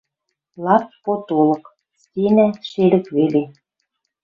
Лап потолык. Стеня — шелӹк веле